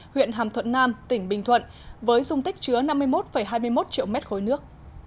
huyện hàm thuận nam tỉnh bình thuận với dung tích chứa năm mươi một hai mươi một triệu mét khối nước